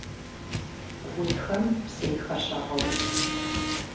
Утхэм псейхэр щагъэув.